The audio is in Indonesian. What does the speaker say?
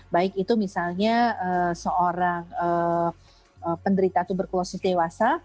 baik itu misalnya seorang penderita tuberkulosis dewasa